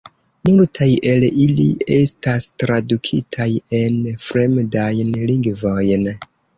Multaj el ili estas tradukitaj en fremdajn lingvojn.